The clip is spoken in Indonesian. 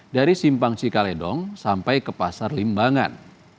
dari simpang cikaledong sampai ke pasar limbangan